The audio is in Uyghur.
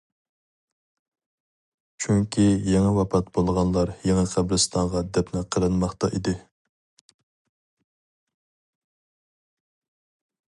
چۈنكى يېڭى ۋاپات بولغانلار يېڭى قەبرىستانغا دەپنە قىلىنماقتا ئىدى.